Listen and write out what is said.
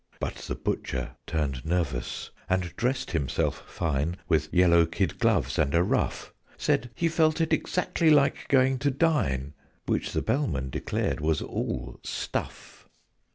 But the Butcher turned nervous, and dressed himself fine, With yellow kid gloves and a ruff Said he felt it exactly like going to dine, Which the Bellman declared was all "stuff."